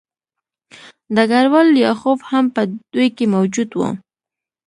ډګروال لیاخوف هم په دوی کې موجود و